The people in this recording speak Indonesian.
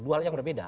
dua hal yang berbeda